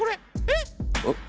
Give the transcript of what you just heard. えっ？